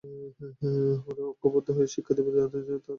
আমরা ঐক্যবদ্ধ হয়ে শিক্ষা দেব তাদের, যারা আমাদের কথা বলে ক্ষমতায় যায়।